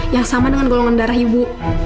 yang sama dengan golongan darah ibu